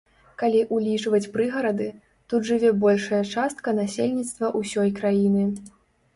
Калі ўлічваць прыгарады, тут жыве большая частка насельніцтва ўсёй краіны.